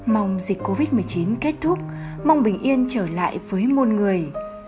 mong dịch covid một mươi chín kết thúc mong bình yên trở lại với muôn người